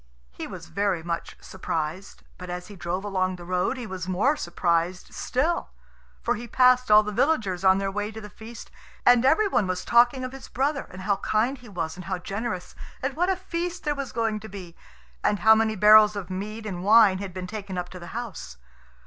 He was very much surprised, but as he drove along the road he was more surprised still. For he passed all the villagers on their way to the feast; and every one was talking of his brother, and how kind he was and how generous, and what a feast there was going to be, and how many barrels of mead and, wine had been taken up to the house.